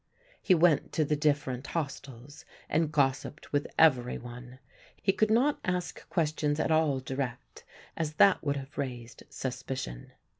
He went to the different hostels and gossiped with every one. He could not ask questions at all direct, as that would have raised suspicion.